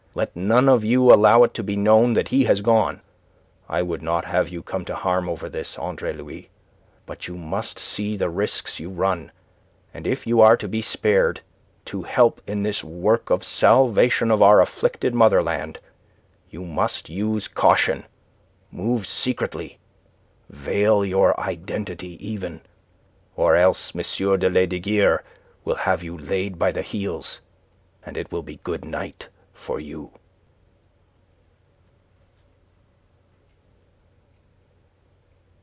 Let none of you allow it to be known that he has gone. I would not have you come to harm over this, Andre Louis. But you must see the risks you run, and if you are to be spared to help in this work of salvation of our afflicted motherland, you must use caution, move secretly, veil your identity even. Or else M. de Lesdiguieres will have you laid by the heels, and it will be good night for you."